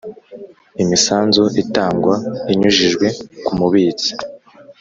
Imisanzu itangwa inyujijwe ku mubitsi